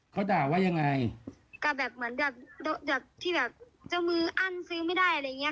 ก็มันมีทั้งสองกระแสค่ะพี่มันมีโดนด่าด้วยทั้งดริจัยด้วยอะไรนี้